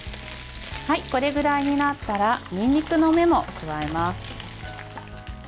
これぐらいになったらにんにくの芽も加えます。